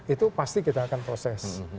itu pasti kita akan proses